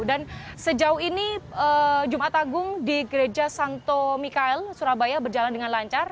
dan sejauh ini jumat agung di gereja santo mikael surabaya berjalan dengan lancar